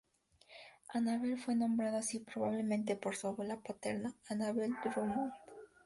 Anabella fue nombrada así probablemente por su abuela paterna, Anabella Drummond.